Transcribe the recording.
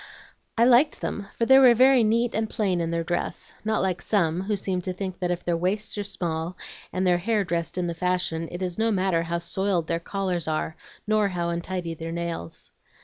I liked them, for they were very neat and plain in their dress, not like some, who seem to think that if their waists are small, and their hair dressed in the fashion, it is no matter how soiled their collars are, nor how untidy their nails.